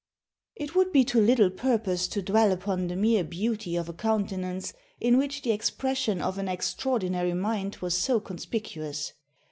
] "It would be to little purpose to dwell upon the mere beauty of a countenance in which the expression of an extraordinary mind was so conspicuous.